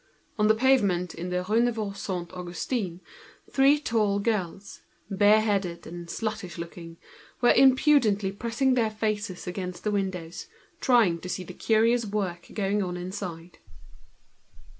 On the pavement in the Rue Neuve Saint Augustin were planted three tall girls, bareheaded and sluttish looking, impudently sticking their faces against the windows, trying to see the curious work going on inside.